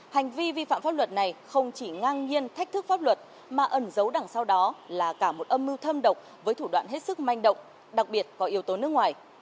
hành vi vi phạm pháp luật này không chỉ ngang nhiên thách thức pháp luật mà ẩn dấu đằng sau đó là cả một âm mưu thâm độc với thủ đoạn hết sức manh động đặc biệt có yếu tố nước ngoài